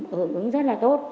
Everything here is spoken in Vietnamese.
hưởng ứng rất là tốt